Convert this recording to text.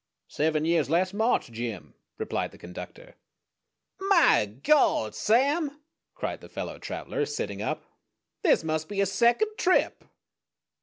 "Seven years last March, Jim," replied the conductor. "My Gord, Sam!" cried the fellow traveler, sitting up. "_This must be your second trip!